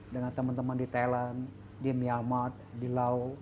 dengan teman teman di thailand di myanmar di lao